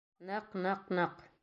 Ныҡ-ныҡ-ныҡ.